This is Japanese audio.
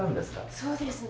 そうですね。